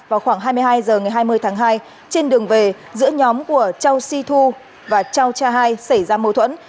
vào khoảng hai mươi hai h ngày hai mươi tháng hai trên đường về giữa nhóm của châu si thu và châu cha hai xảy ra mâu thuẫn